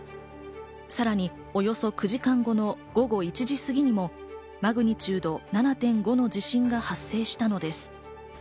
さらにおよそ９時間後の午後１時すぎにも、マグニチュード７．５の地震が発生したのです。